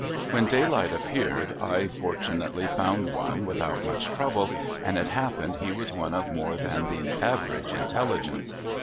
When daylight appeared I fortunately found one without much trouble, and it happened he was one of more than the average intelligence.